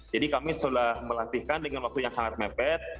jadi kami sudah melatihkan dengan waktu yang sangat mepet